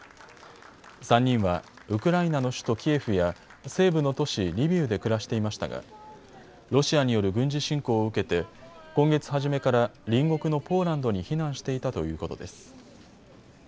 ３人はウクライナの首都キエフや西部の都市リビウで暮らしていましたがロシアによる軍事侵攻を受けて今月初めから隣国のポーランドに避難していたということです。